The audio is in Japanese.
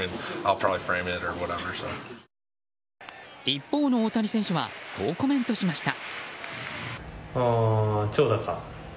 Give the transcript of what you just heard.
一方の大谷選手はこうコメントしました。